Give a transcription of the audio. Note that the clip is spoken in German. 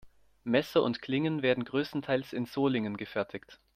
Messer und Klingen werden größtenteils in Solingen gefertigt.